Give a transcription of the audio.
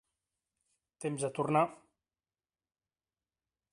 Temps de tornar